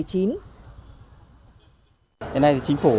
hôm nay thì chính phủ